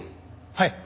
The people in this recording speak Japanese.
はい。